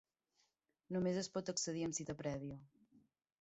Només es pot accedir amb cita prèvia.